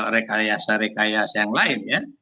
rekayasa rekayasa yang lain ya